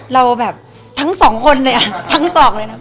เราแบบทั้งสองคนเลยอ่ะทั้งสองเลยนะ